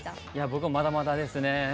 僕はまだまだですね。